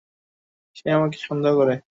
সে আমাকে সন্দেহ করে।